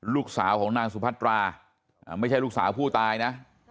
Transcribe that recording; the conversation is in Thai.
ลูกสาวของนางสุพัตราไม่ใช่ลูกสาวผู้ตายนะ